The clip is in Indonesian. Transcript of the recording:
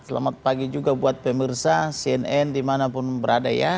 selamat pagi juga buat pemirsa cnn dimanapun berada ya